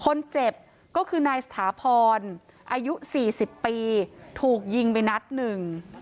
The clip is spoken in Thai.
คนเจ็บก็คือนายสถาพรอายุสี่สิบปีถูกยิงไปนัดหนึ่ง